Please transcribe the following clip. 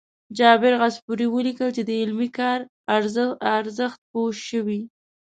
جابر عصفور ولیکل چې د علمي کار ارزښت پوه شوي.